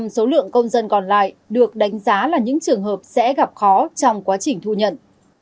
một mươi số lượng công dân còn lại được đánh giá là những trường hợp sẽ gặp khó trong quá trình thu nhận